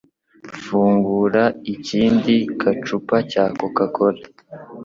Fungura ikindi gacupa cya CocaCola